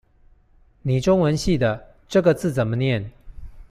你中文系的，這個字怎麼念？